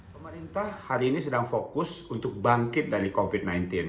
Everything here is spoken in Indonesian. pemerintah hari ini sedang fokus untuk bangkit dari covid sembilan belas